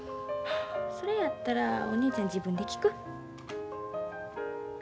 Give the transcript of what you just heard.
それやったらお姉ちゃん自分で聞く？